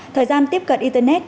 thời gian tiếp cận internet